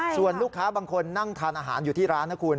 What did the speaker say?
ส่วนลูกค้าบางคนนั่งทานอาหารอยู่ที่ร้านนะคุณ